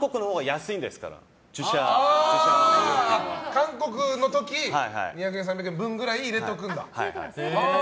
韓国の時に２００円３００円分くらい入れておくんだ。